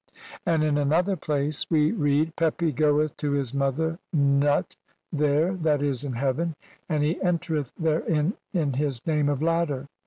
And in another place (1. 182) we read, "Pepi goeth to his "mother Nut there (I. c, in heaven), and he entereth "therein in his name of 'Ladder'."